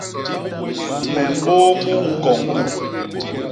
Me mbôô mu ñkoñ u.